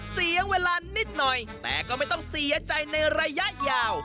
เสียเวลานิดหน่อยแต่ก็ไม่ต้องเสียใจในระยะยาว